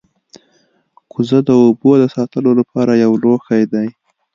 کوزه د اوبو د ساتلو لپاره یو لوښی دی